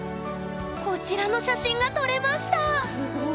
こちらの写真が撮れました！